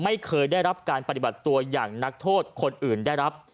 ไม่เคยได้รับการปฏิบัติตัวอย่างนักโทษคนอื่นได้รับ